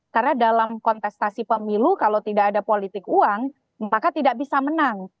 karena dalam kontestasi pemilu kalau tidak ada politik uang maka tidak bisa menang